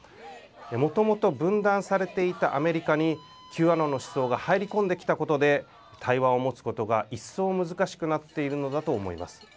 もともと分断されていたアメリカにＱアノンの思想が入り込んできたことで対話を持つことが一層難しくなっているのだと思います。